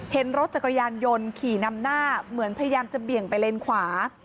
เห็นรถจักรยานยนต์ขี่นำหน้าเหมือนพยายามจะเบี่ยงไปเลนขวา